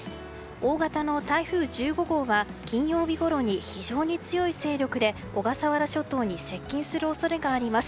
大型の台風１５号は金曜日ごろに非常に強い勢力で小笠原諸島に接近する恐れがあります。